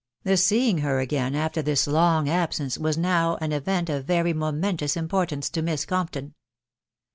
The seeing her again after this long absence was now «jl event of very momentous importance to Miss Compton.